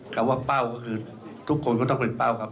คำว่าเป้าก็คือทุกคนก็ต้องเป็นเป้าครับ